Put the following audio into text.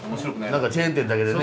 何かチェーン店だけでね。